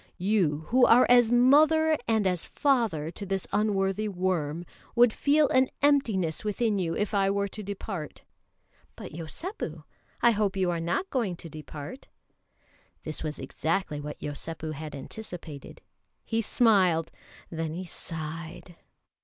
You, who are as mother and as father to this unworthy worm, would feel an emptiness within you if I were to depart." "But, Yosépu, I hope you are not going to depart." This was exactly what Yosépu had anticipated. He smiled, then he sighed.